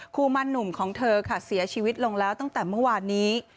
ครูมันหนุ่มของเธอค่ะเสียชีวิตลงแล้วตั้งแต่เมื่อวานนี้